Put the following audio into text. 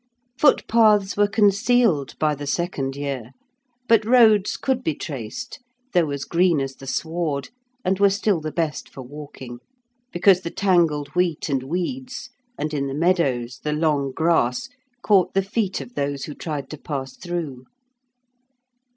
Footpaths were concealed by the second year, but roads could be traced, though as green as the sward, and were still the best for walking, because the tangled wheat and weeds, and, in the meadows, the long grass, caught the feet of those who tried to pass through.